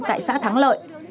tại xã thắng lợi